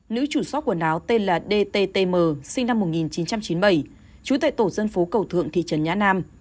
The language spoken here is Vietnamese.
nữ chủ số quần áo tên là dtm sinh năm một nghìn chín trăm chín mươi bảy trú tại tổ dân phố cầu thượng thị trấn nhã nam